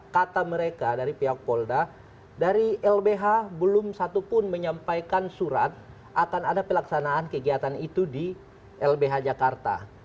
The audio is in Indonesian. kata mereka dari pihak polda dari lbh belum satu pun menyampaikan surat akan ada pelaksanaan kegiatan itu di lbh jakarta